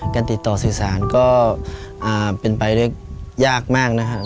การติดต่อสื่อสารก็เป็นไปได้ยากมากนะครับ